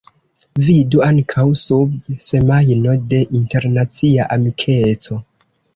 Vidu ankaŭ sub Semajno de Internacia Amikeco.